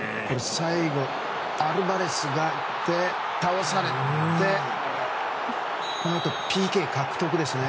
最後、アルバレスが倒されてこのあとＰＫ獲得ですね。